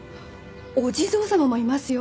お地蔵様もいますよ。